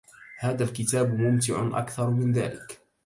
هذا الكتاب ممتع أكثر من ذاك.